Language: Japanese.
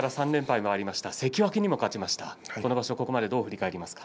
今場所、ここまでどう振り返りますか？